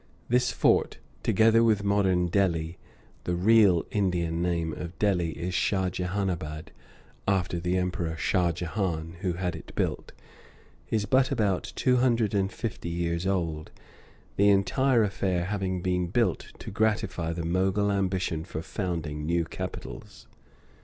This fort, together with modern Delhi (the real Indian name of Delhi is Shahjehanabad, after the emperor Shah Jehan, who had it built), is but about two hundred and fifty years old, the entire affair having been built to gratify the Mogul ambition for founding new capitals.